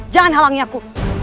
jangan halangi aku